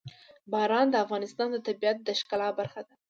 باران د افغانستان د طبیعت د ښکلا برخه ده.